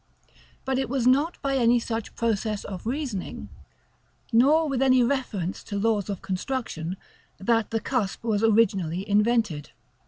But it was not by any such process of reasoning, nor with any reference to laws of construction, that the cusp was originally invented.